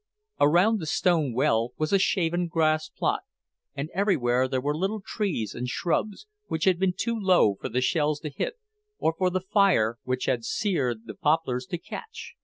Around the stone well was a shaven grass plot, and everywhere there were little trees and shrubs, which had been too low for the shells to hit, or for the fire, which had seared the poplars, to catch.